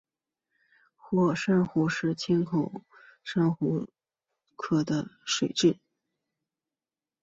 火珊瑚是千孔珊瑚科的水螅。